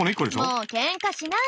もうケンカしない。